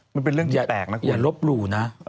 มันเป็นเรื่องที่แตกนะคุณ